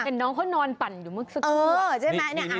เห็นน้องเขานอนปั่นอยู่เมื่อสักครู่